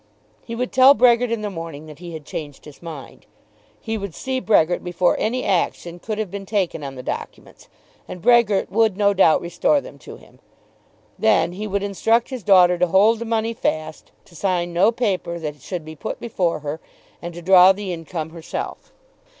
He would tell Brehgert in the morning that he had changed his mind. He would see Brehgert before any action could have been taken on the documents, and Brehgert would no doubt restore them to him. Then he would instruct his daughter to hold the money fast, to sign no paper that should be put before her, and to draw the income herself.